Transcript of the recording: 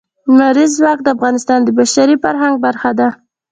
لمریز ځواک د افغانستان د بشري فرهنګ برخه ده.